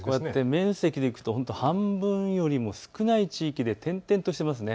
面積で見ると半分よりも少ない地域で点々としていますね。